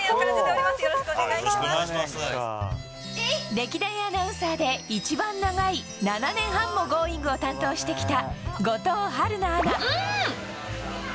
歴代アナウンサーで一番長い７年半も「Ｇｏｉｎｇ！」を担当してきた後藤晴菜アナ。